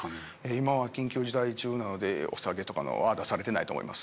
今は緊急事態中なのでお酒とかは出されてないと思います。